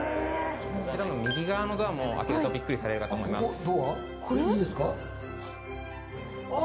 右側のドアも開けると、びっくりされると思います。